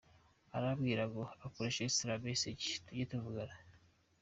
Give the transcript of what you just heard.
arambwira ngo akoresha Instamessage tujye tuvuganaho.